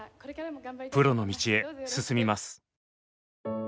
プロの道へ進みます。